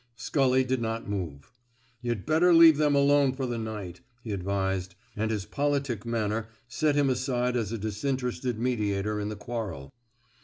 Scully did not move. Yuh'd better leave them alone fer the night," he advised; and his politic manner set him aside as a disin terested mediator in the quarrel.